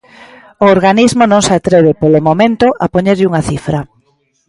O organismo non se atreve, polo momento, a poñerlle unha cifra.